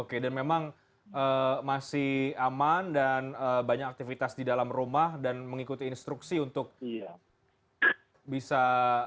oke dan memang masih aman dan banyak aktivitas di dalam rumah dan mengikuti instruksi untuk bisa